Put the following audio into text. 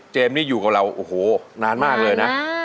เจมส์นี่อยู่กับเรานานมากเลยนะ